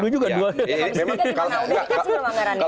memang kan dimana udah dikasih soal anggaran itu